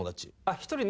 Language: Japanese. １人。